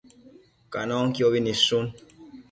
Canonquiobi nidshun